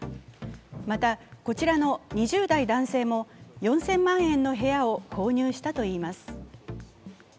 また、こちらの２０代男性も４０００万円の部屋を購入したといいます。